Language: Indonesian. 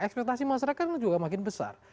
ekspektasi masyarakat juga makin besar